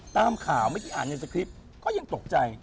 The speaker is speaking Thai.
ตามข่าวไม่ได้อ่านในสกริปก็ยังตกใจ